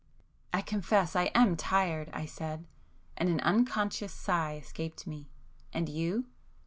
"I confess I am tired,"—I said, and an unconscious sigh escaped me—"And you?"